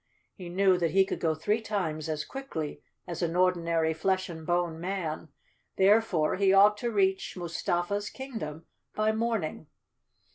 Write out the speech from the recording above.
He knew that he could go three times as quickly as an ordinary flesh and bone man, therefore he ought to reach Mustafa's Kingdom by morning.